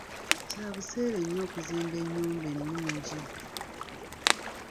Kya buseere nnyo okuzimba ennyumba ennungi .